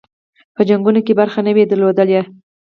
په جنګونو کې برخه نه وي درلودلې.